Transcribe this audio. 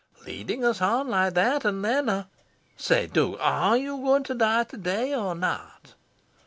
Leading us on like that, and then Say, Duke! Are you going to die to day, or not?"